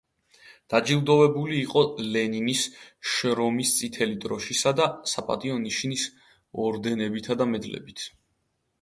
დაჯილდოვებული იყო ლენინის, შრომის წითელი დროშისა და „საპატიო ნიშნის“ ორდენებითა და მედლებით.